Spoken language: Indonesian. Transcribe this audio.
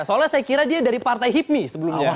soalnya saya kira dia dari partai hipmi sebelumnya